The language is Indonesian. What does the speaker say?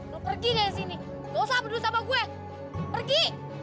lo pergi dari sini lo sab dulu sama gue pergi